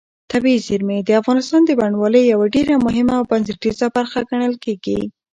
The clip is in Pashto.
طبیعي زیرمې د افغانستان د بڼوالۍ یوه ډېره مهمه او بنسټیزه برخه ګڼل کېږي.